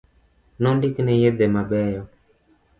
Nondikne yedhe mabeyo